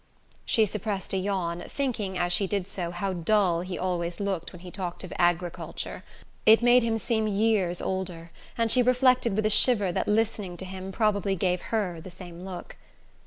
She suppressed a yawn, thinking, as she did so, how dull he always looked when he talked of agriculture. It made him seem years older, and she reflected with a shiver that listening to him probably gave her the same look.